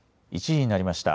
１時になりました。